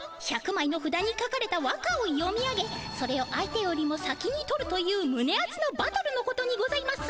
１００まいのふだに書かれた和歌を読み上げそれを相手よりも先に取るというむねあつのバトルのことにございます。